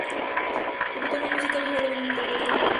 Debutó en el musical "Hair" donde interpretó a Claude.